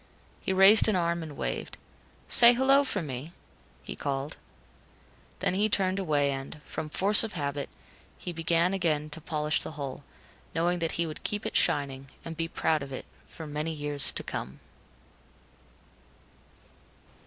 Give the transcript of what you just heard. He raised an arm and waved. "Say 'hello' for me," he called. Then he turned away and, from force of habit, he began again to polish the hull, knowing that he would keep it shining, and be proud of it, for many years to come.